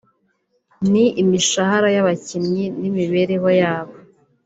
ni imishahara y’abakinnyi n’imibereho yabo